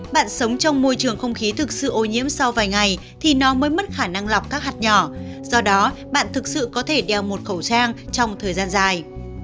bạn sống trong môi trường không khí thực sự ô nhiễm sau vài ngày thì nó mới mất khả năng lọc các hạt nhỏ do đó bạn thực sự có thể đeo một khẩu trang trong thời gian dài